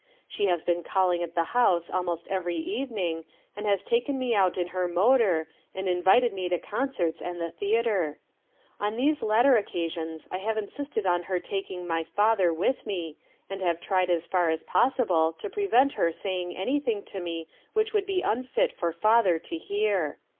She has been calling at the house almost every evening, and has taken me out in her motor, and invited me to concerts and the theatre. On these latter occasions I have insisted on her taking my father with me, and have tried as far as possible to prevent her saying anything to me which would be unfit for father to hear.